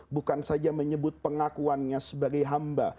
bukan saja menyebut pengakuannya sebagai hamba